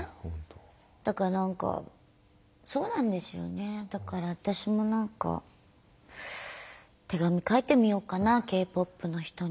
だから何かそうなんですよねだから私も何か手紙書いてみようかなＫ−ＰＯＰの人に。